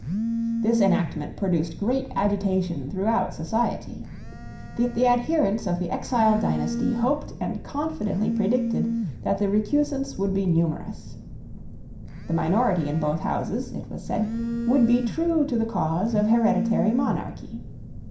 This enactment produced great agitation throughout society. The adherents of the exiled dynasty hoped and confidently predicted that the recusants would be numerous. The minority in both Houses, it was said, would be true to the cause of hereditary monarchy.